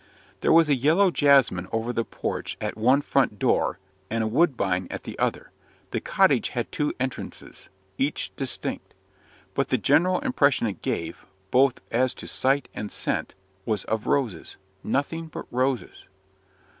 There was a yellow jasmine over the porch at one front door, and a woodbine at the other; the cottage had two entrances, each distinct. But the general impression it gave, both as to sight and scent, was of roses nothing but roses.